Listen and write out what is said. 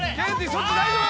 そっち大丈夫？